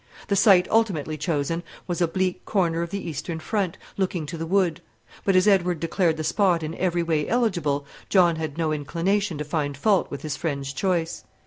The site ultimately chosen was a bleak corner of the eastern front, looking to the wood; but as Edward declared the spot in every way eligible, John had no inclination to find fault with his friend's choice.